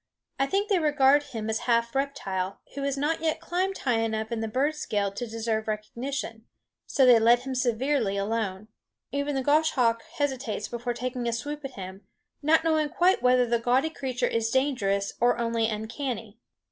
I think they regard him as a half reptile, who has not yet climbed high enough in the bird scale to deserve recognition; so they let him severely alone. Even the goshawk hesitates before taking a swoop at him, not knowing quite whether the gaudy creature is dangerous or only uncanny.